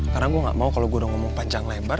karena gue gak mau kalau gue udah ngomong panjang lebar